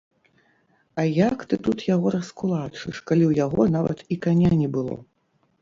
А як ты тут яго раскулачыш, калі ў яго нават і каня не было?